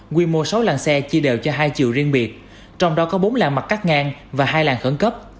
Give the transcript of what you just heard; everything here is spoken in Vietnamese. quy mô sáu làng xe chia đều cho hai chiều riêng biệt trong đó có bốn làng mặt cắt ngang và hai làng khẩn cấp